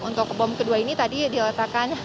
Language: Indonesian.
untuk bom kedua ini tadi diletakkan